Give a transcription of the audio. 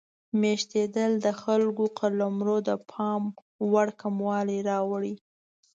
میشتېدل د خلکو قلمرو د پام وړ کموالی راوړ.